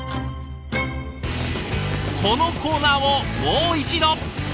このコーナーをもう一度！